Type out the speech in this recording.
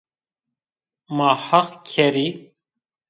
Ma heq kerî